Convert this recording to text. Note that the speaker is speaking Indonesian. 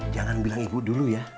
jangan bilang ibu dulu ya